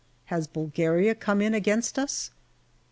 Has Bulgaria come in against us